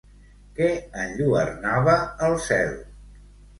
Què enlluernava el cel?